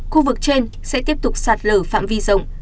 khu vực trên sẽ tiếp tục sạt lở phạm vi rộng